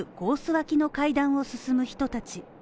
脇の階段を進む人たち。